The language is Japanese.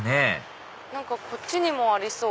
こっちにもありそう。